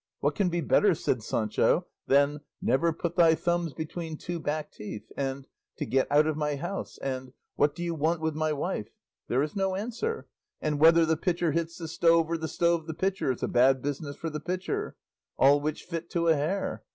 "What can be better," said Sancho, "than 'never put thy thumbs between two back teeth;' and 'to "get out of my house" and "what do you want with my wife?" there is no answer;' and 'whether the pitcher hits the stone, or the stone the pitcher, it's a bad business for the pitcher;' all which fit to a hair?